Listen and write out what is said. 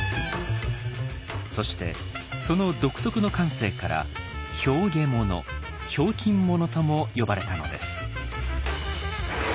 そしてその独特の感性から「へうげもの」ひょうきん者とも呼ばれたのです。